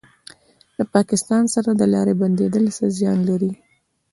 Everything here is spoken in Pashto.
د پاکستان سره د لارې بندیدل څه زیان لري؟